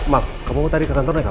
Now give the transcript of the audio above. maaf kamu mau tarik ke kantor naik apa